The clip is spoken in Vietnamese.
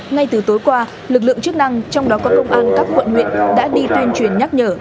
ngay từ tối qua lực lượng chức năng trong đó có công an các quận huyện đã đi tuyên truyền nhắc nhở